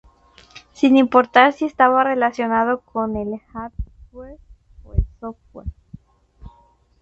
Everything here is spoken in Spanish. sin importar si estaba relacionado con el hardware o el software